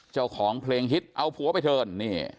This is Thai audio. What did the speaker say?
เจ้าของเพลงฮิตเอาผัวไปเถิน